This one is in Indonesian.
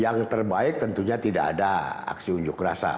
yang terbaik tentunya tidak ada aksi unjuk rasa